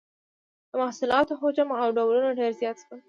د محصولاتو حجم او ډولونه ډیر زیات شول.